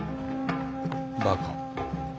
バカ？